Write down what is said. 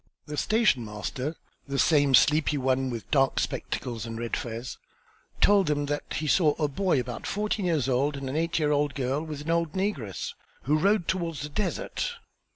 The station master, the same sleepy one with dark spectacles and red fez, told them that he saw a boy about fourteen years old and an eight year old girl with an old negress, who rode towards the desert.